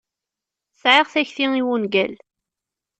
Sεiɣ takti i wungal.